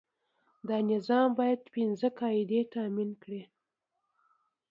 دا نظام باید پنځه قاعدې تامین کړي.